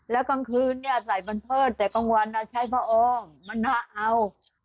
แล้วกลางคืนเนี่ยใส่มันเพิ่มแต่กลางวันใช้พระองค์มันน่าเอา